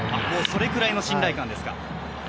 それくらいの信頼感ですか。